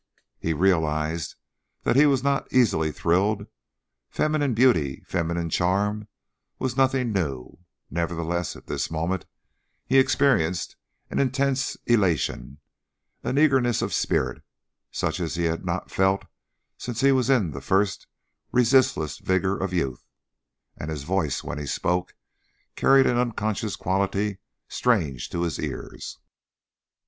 He realized that he was not easily thrilled; feminine beauty, feminine charm were nothing new, nevertheless at this moment he experienced an intense elation, an eagerness of spirit, such as he had not felt since he was in the first resistless vigor of youth, and his voice, when he spoke, carried an unconscious quality strange to his ears.